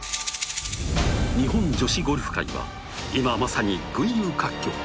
日本女子ゴルフ界は今まさに群雄割拠。